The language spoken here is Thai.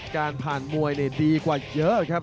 การผ่านมวยดีกว่าเยอะครับ